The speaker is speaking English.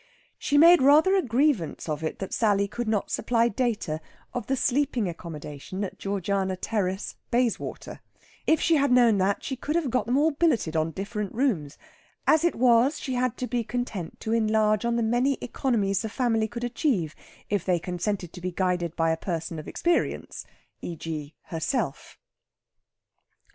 She made rather a grievance of it that Sally could not supply data of the sleeping accommodation at Georgiana Terrace, Bayswater. If she had known that, she could have got them all billeted on different rooms. As it was, she had to be content to enlarge on the many economies the family could achieve if they consented to be guided by a person of experience e.g., herself.